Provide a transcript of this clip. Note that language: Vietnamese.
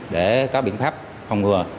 để có biện pháp phòng ngừa